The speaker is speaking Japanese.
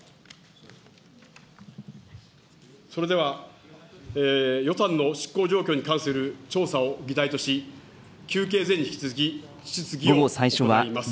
それでは、予算の執行状況に関する調査を議題とし、休憩前に引き続き、質疑を行います。